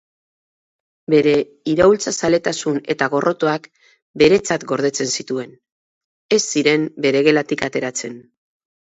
Bere iraultzazaletasun eta gorrotoak beretzat gordetzen zituen, ez ziren bere gelatik ateratzen.